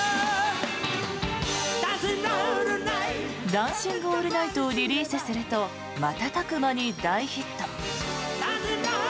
「ダンシング・オールナイト」をリリースすると瞬く間に大ヒット。